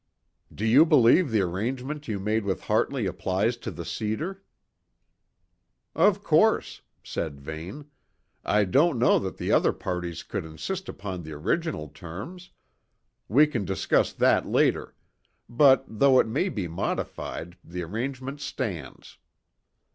"Do you believe the arrangement you made with Hartley applies to the cedar?" "Of course," said Vane. "I don't know that the other parties could insist upon the original terms we can discuss that later; but, though it may be modified, the arrangement stands."